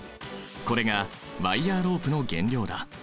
これがワイヤーロープの原料だ。